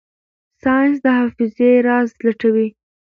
ساینس د حافظې راز لټوي.